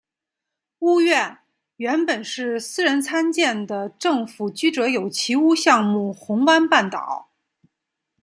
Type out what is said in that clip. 屋苑原本是私人参建的政府居者有其屋项目红湾半岛。